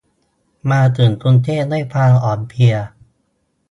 มาถึงกรุงเทพด้วยความอ่อนเพลีย